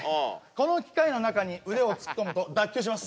この機械の中に腕を突っ込むと脱臼します